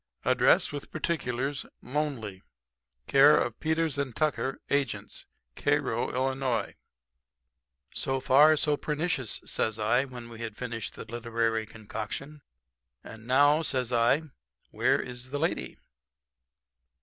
Address, with particulars. Lonely, Care of Peters & Tucker, agents, Cairo, Ill. "'So far, so pernicious,' says I, when we had finished the literary concoction. 'And now,' says I, 'where is the lady.'